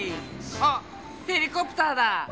あっヘリコプターだ！